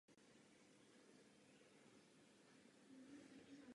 Bankovní sektor požaduje větší zajištění a vyšší rizikové prémie.